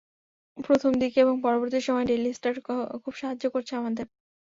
প্রথম দিকে এবং পরবর্তী সময়ে ডেইলি স্টার খুব সাহায্য করেছে আমাদের।